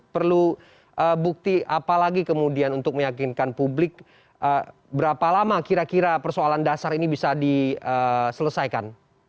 perlu bukti apa lagi kemudian untuk meyakinkan publik berapa lama kira kira persoalan dasar ini bisa diselesaikan